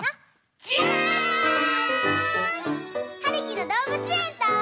ジャーン！はるきのどうぶつえんと。